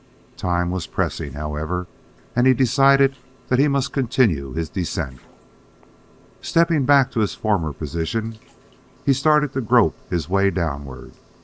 Time was pressing, however, and he decided that he must continue his descent. Stepping back to his former position, he started to grope his way downward.